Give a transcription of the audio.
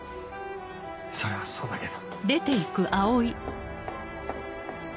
それはそうだけど。